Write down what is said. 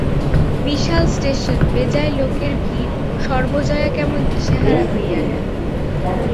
বিশাল station, বেজায় লোকের ভিড়-সর্বজয়া কেমন দিশেহারা হইয়া গেল।